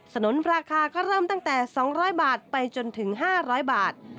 นุนราคาก็เริ่มตั้งแต่๒๐๐บาทไปจนถึง๕๐๐บาท